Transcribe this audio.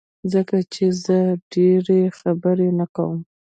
ځکه چي زه ډيری خبری نه کوم